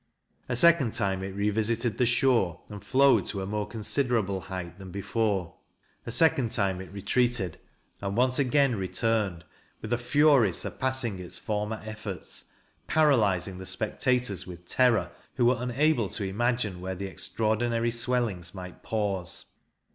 A second time it revisited the shore, and flowed to a more considerable height than before: a second time it retreated; and once again returned, with a fury surpassing its former efforts; paralyzing the spectators with terror, who were unable to imagine where the extraordinary swellings might pause.